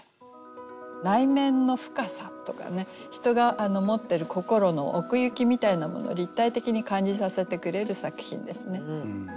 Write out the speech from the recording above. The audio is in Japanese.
人が持ってる心の奥行きみたいなもの立体的に感じさせてくれる作品ですね。